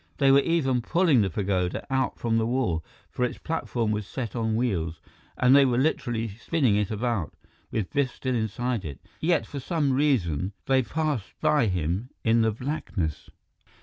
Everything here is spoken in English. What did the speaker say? They were even pulling the pagoda out from the wall, for its platform was set on wheels; and they were literally spinning it about, with Biff still inside it, yet for some reason, they passed by him in the blackness.